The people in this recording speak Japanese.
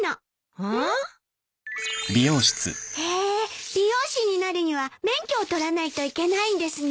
うん？へえ美容師になるには免許を取らないといけないんですね。